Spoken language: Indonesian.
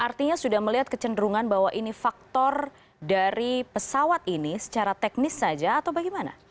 artinya sudah melihat kecenderungan bahwa ini faktor dari pesawat ini secara teknis saja atau bagaimana